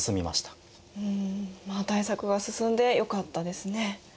まあ対策が進んでよかったですね。